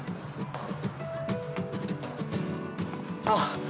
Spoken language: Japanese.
ああ。